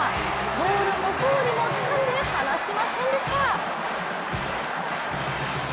ボールも勝利もつかんで離しませんでした。